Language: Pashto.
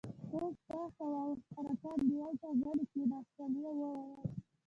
توپ باغ ته واوښت، هلکان دېوال ته غلي کېناستل، يوه وويل: